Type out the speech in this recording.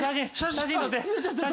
写真撮って。